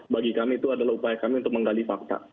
bagi kami itu adalah upaya kami untuk menggali fakta